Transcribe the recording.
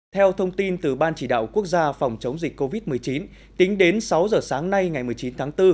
theo thông tin từ ban chỉ đạo quốc gia phòng chống dịch covid một mươi chín tính đến sáu giờ sáng nay ngày một mươi chín tháng bốn